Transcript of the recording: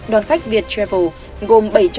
đoàn khách việt travel gồm